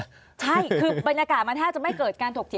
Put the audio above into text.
ใช่คือบรรยากาศมันแทบจะไม่เกิดการถกเถีย